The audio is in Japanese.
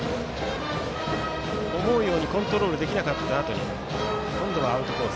思うようにコントロールできなかったあとに今度はアウトコース